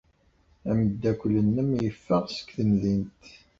Ameddakel-nnem yeffeɣ seg temdint.